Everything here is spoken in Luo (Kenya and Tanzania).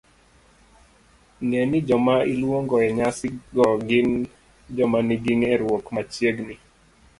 Ng'e ni joma iluongo e nyasi go gin joma nigi ng'eruok machiegni